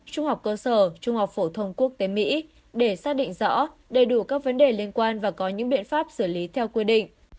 trung học cơ sở trung học phổ thông quốc tế mỹ để xác định rõ đầy đủ các vấn đề liên quan và có những biện pháp xử lý theo quy định